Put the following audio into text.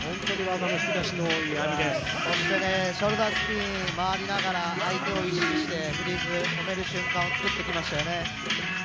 そしてショルダースピン回りながら相手を意識してフリーズ、止める瞬間を作ってきましたよね。